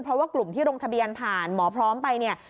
เพราะว่ากลุ่มที่ลงทะเบียนผ่านหมอพร้อมไปเนี่ย